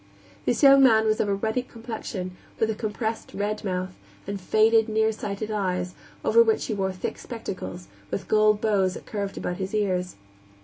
This young man was of a ruddy complexion, with a compressed, red mouth, and faded, nearsighted eyes, over which he wore thick spectacles, with gold bows that curved about his ears.